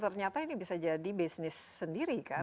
ternyata ini bisa jadi bisnis sendiri kan